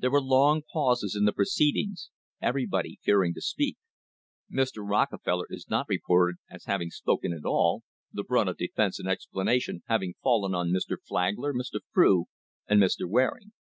There were long pauses in le proceedings, everybody fearing to speak. Mr. Rocke :ller is not reported as having spoken at all, the brunt of tefense and explanation having fallen on Mr. Flagler, Mr. rew and Mr. Waring.